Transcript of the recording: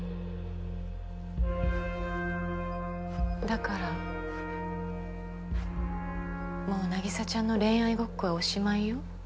だからもう凪沙ちゃんの恋愛ごっこはおしまいよ。